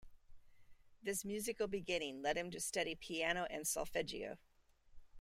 This musical beginning led him to study piano and solfeggio.